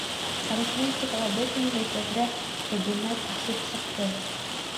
Арифметикала бөтөнләй тәҙрә төбөнә күсеп сыҡты.